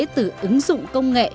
từ ứng dụng công nghệ